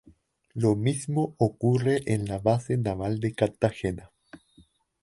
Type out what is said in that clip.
Lo mismo ocurre en la base naval de Cartagena".